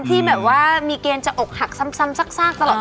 ที่แบบว่ามีเกณฑ์จะอกหักซ้ำซากตลอด